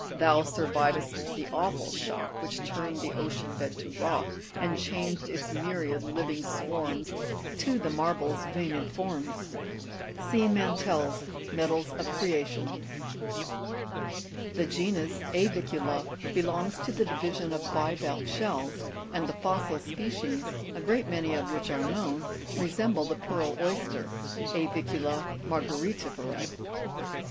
Thou surviv'dst the awful shock, Which turn'd the ocean bed to rock, And changed its myriad living swarms. To the marble's veined forms." See Mantell's Medals of Creation. 52 AVICULA. POSIDONIA TRIGONIA ENCRINITES. The genus A'vicula (Jig. 63) belongs to the division of bivalve shells, and the fossil species, a great many of which are known, resemble the pearl oyster (A'vicula Margaritifera).